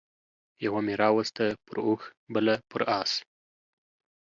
يوه مې راوسته پر اوښ بله پر اس